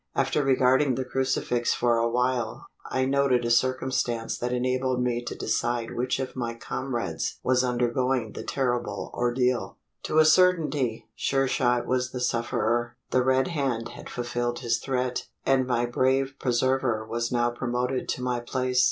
After regarding the crucifix for awhile, I noted a circumstance that enabled me to decide which of my comrades was undergoing the terrible ordeal. To a certainty, Sure shot was the sufferer. The Red Hand had fulfilled his threat; and my brave preserver was now promoted to my place.